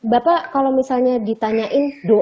bapak kalau misalnya ditanyain